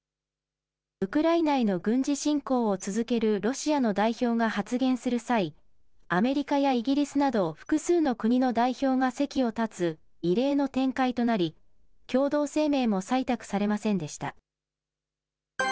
ウクライナへの軍事侵攻を続けるロシアの代表が発言する際、アメリカやイギリスなど複数の国の代表が席を立つ異例の展開となり、共同声明も採択されませんでした。